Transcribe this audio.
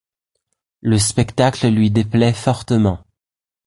Le spectacle lui déplait fortement.